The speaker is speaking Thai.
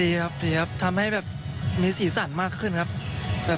ดีตลอดดีครับทำให้มีสีสันมากขึ้นครับน่าสนใจครับ